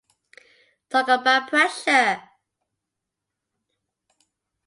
Talk about pressure.